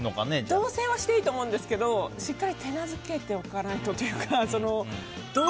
同棲はしてもいいと思うんですけどしっかり手なずけておかないとというか。